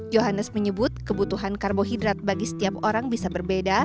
johannes menyebut kebutuhan karbohidrat bagi setiap orang bisa berbeda